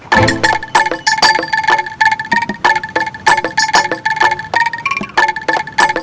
kamu masih ill praise ya